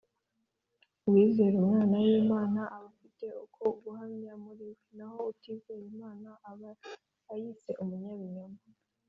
Uwizera Umwana w'Imana aba afite uko guhamya muri we: naho utizera Imana aba ayise umunyabinyoma